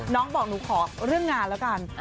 น้องบอกหนูขอเรื่องงานแล้วกัน